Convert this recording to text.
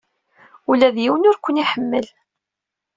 Ula d yiwen ur ken-iḥemmel.